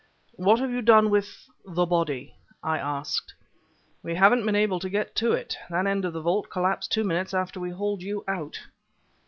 "What have you done with the body?" I asked. "We haven't been able to get to it. That end of the vault collapsed two minutes after we hauled you out!"